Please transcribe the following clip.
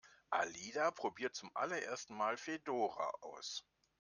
Alida probiert zum allerersten Mal Fedora aus.